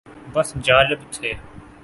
بس جالب تھے